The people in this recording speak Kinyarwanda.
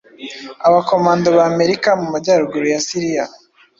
abakomando ba Amerika mu majyaruguru ya Syria